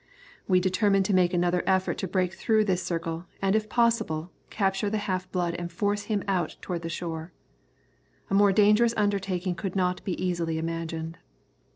We determined to make another effort to break through this circle, and if possible capture the half blood and force him out toward the shore. A more dangerous undertaking could not be easily imagined.